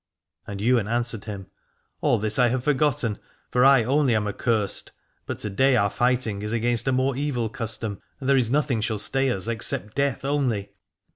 And Ywain answered him : All this I have forgotten, for I only am accursed : but to day our fighting is against a more evil custom, and there is nothing shall stay us except death only.